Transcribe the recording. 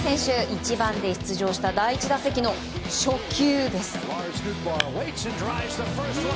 １番で出場した第１打席の初球。